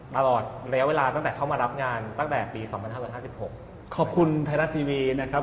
ตลอดระยะเวลาตั้งแต่เข้ามารับงานตั้งแต่ปีสองพันห้าร้อยห้าสิบหกขอบคุณไทยรัฐทีวีนะครับ